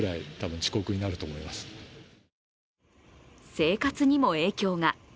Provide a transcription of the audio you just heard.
生活にも影響が。